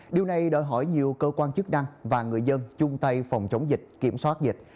điều này đòi hỏi nhiều cơ quan chức năng và người dân chung tay phòng chống dịch kiểm soát dịch